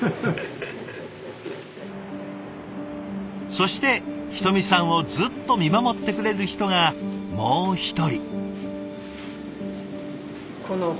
そして人見さんをずっと見守ってくれる人がもう１人。